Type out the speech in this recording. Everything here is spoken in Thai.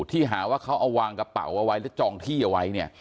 ที่หาว่าเขาเอาวางกระเป๋าเอาไว้แล้วจองที่เอาไว้เนี่ย